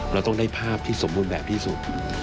เราต้องได้ภาพที่สมบูรณ์แบบที่สุด